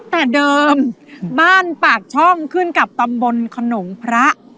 แต่เดิมบ้านปากช่องขึ้นกับตำบลขนมพระ